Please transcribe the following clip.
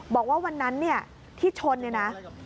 บอกว่าวันนั้นที่ชน